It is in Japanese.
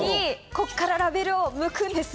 ここからラベルを剥くんです。